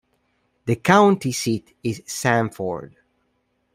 The county seat is Sanford.